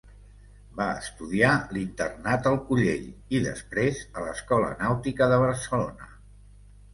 Va estudiar l'internat El Collell i després a l'Escola Nàutica de Barcelona.